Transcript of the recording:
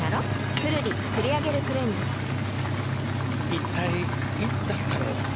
一体いつだったろう？